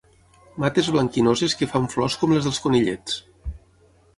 Mates blanquinoses que fan flors com les dels conillets.